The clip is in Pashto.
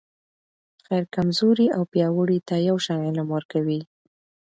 خير کمزورې او پیاوړي ته یو شان علم ورکوي.